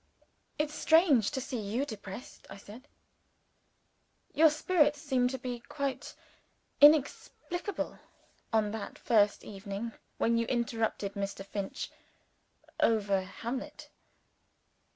"It's strange to see you depressed," I said. "Your spirits seemed to be quite inexhaustible on that first evening when you interrupted Mr. Finch over _Hamlet.